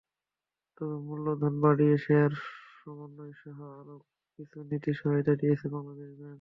তবে মূলধন বাড়িয়ে শেয়ার সমন্বয়সহ আরও কিছু নীতি সহায়তা দিয়েছে বাংলাদেশ ব্যাংক।